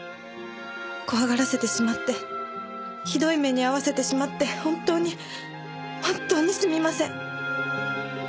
怖がらせてしまってひどい目に遭わせてしまって本当に本当にすみません！